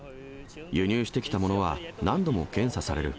輸入してきたものは何度も検査される。